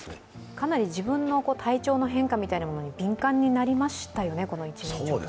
かなり自分の体調の変化みたいなものに敏感になりましたよね、この１年ちょっと。